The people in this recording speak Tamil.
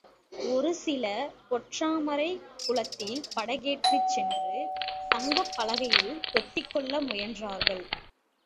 ஒரு சிலர் பொற்றாமரைக் குளத்தில் படகேறிச் சென்று சங்கப் பலகையில் தொத்திக்கொள்ள முயன்றார்கள்.